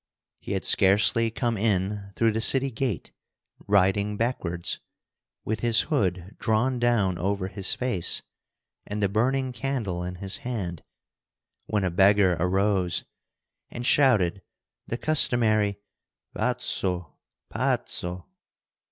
He had scarcely come in through the city gate—riding backwards, with his hood drawn down over his face and the burning candle in his hand—when a beggar arose and shouted the customary "Pazzo, pazzo!"